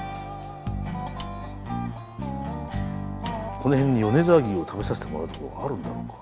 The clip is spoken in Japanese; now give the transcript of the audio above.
この辺に米沢牛を食べさせてもらえる所があるんだろうか。